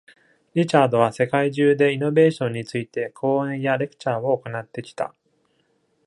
リチャードは、世界中でイノベーションについて講演やレクチャーを行ってきた。